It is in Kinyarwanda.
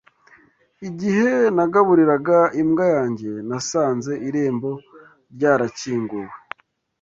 Igihe nagaburiraga imbwa yanjye, nasanze irembo ryarakinguwe.